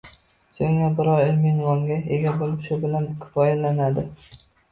Soʻngra biror ilmiy unvonga ega boʻlib, shu bilan kifoyalanadi.